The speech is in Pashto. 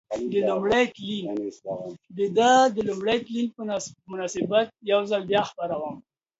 د ده د لومړي تلین په مناسبت یو ځل بیا خپروم.